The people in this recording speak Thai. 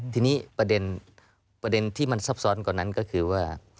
ทีนี้ประเด็นที่มันซับซ้อนกว่านั้นก็คือว่า